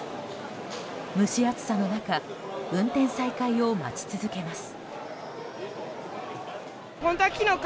蒸し暑さの中運転再開を待ち続けます。